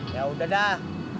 ya udah dah